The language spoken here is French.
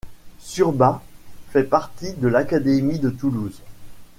Surba fait partie de l'académie de Toulouse.